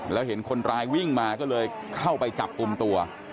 แล้วเห็นคนร้ายวิ่งมาก็เลยเข้าไปจับกลุ่มตัว